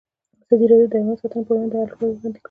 ازادي راډیو د حیوان ساتنه پر وړاندې د حل لارې وړاندې کړي.